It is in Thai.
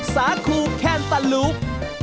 ๒สาขูแค่นตะลูก